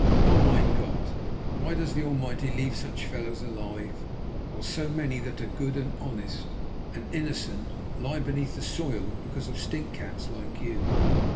Oh, mein Gott! why does the Almighty leave such fellows alive, while so many that are good and honest and innocent lie beneath the soil because of stinkcats like you?"